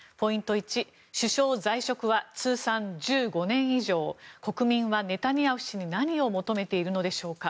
１首相在職は通算１５年以上国民はネタニヤフ氏に何を求めているのでしょうか。